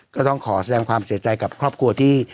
ก็ต้องขอแสดงความเสียใจกับครอบครัวที่